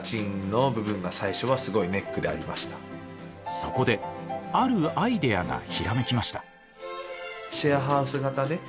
そこであるアイデアがひらめきました。